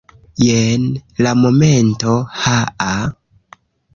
Jen la momento! Haa!